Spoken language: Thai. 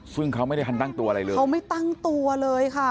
ซึ่งเขาไม่ได้ทันตั้งตัวอะไรเลยเขาไม่ตั้งตัวเลยค่ะ